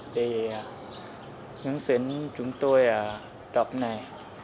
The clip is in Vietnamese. để hướng dẫn chúng tôi đọc này